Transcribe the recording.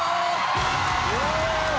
お！